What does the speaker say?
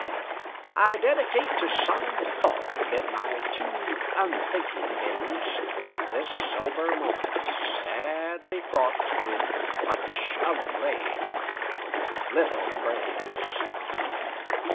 I dedicate to solemn thought Amid my too unthinking days, This sober moment, sadly fraught With much of blame, with little praise.